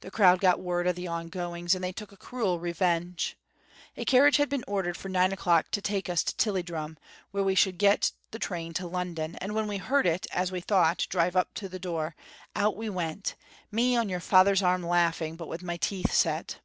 The crowd got word o' the ongoings, and they took a cruel revenge. A carriage had been ordered for nine o'clock to take us to Tilliedrum, where we should get the train to London, and when we heard it, as we thought, drive up to the door, out we went, me on your father's arm laughing, but wi' my teeth set.